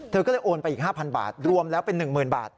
เธอก็เลยโอนไปอีก๕๐๐บาทรวมแล้วเป็น๑๐๐๐บาท